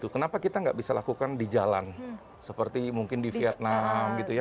kenapa kita nggak bisa lakukan di jalan seperti mungkin di vietnam gitu ya